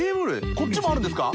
こっちもあるんですか？